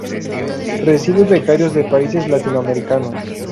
Recibe becarios de países latinoamericanos.